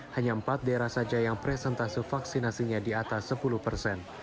hanya empat daerah saja yang presentase vaksinasinya di atas sepuluh persen